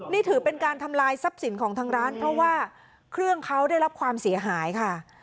นี่ถือเป็นการทำลายทรัพย์สินของทางร้านเพราะว่าเครื่องเขาได้รับความเสียหายค่ะ